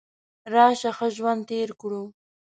راشه ښه ژوند تیر کړو .